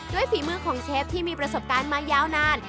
ฝีมือของเชฟที่มีประสบการณ์มายาวนาน